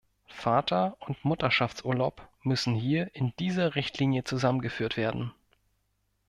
Vaterund Mutterschaftsurlaub müssen hier in dieser Richtlinie zusammengeführt werden.